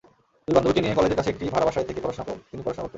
দুই বান্ধবীকে নিয়ে কলেজের কাছে একটি ভাড়া বাসায় থেকে তিনি পড়াশোনা করতেন।